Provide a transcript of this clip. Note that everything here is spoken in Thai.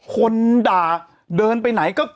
คนด่าเดินไปไหนก็